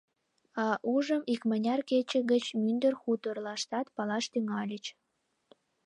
А ужым икмыняр кече гыч мӱндыр хуторлаштат палаш тӱҥальыч.